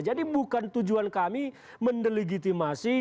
jadi bukan tujuan kami mendeligitimasi